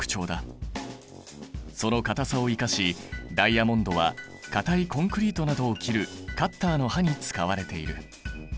その硬さを生かしダイヤモンドは硬いコンクリートなどを切るカッターの刃に使われている。